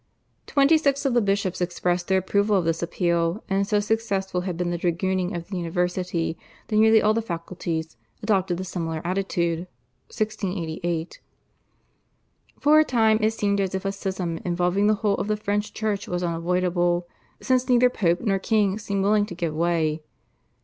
Twenty six of the bishops expressed their approval of this appeal, and so successful had been the dragooning of the university that nearly all the faculties adopted a similar attitude (1688). For a time it seemed as if a schism involving the whole of the French Church was unavoidable, since neither Pope nor king seemed willing to give way.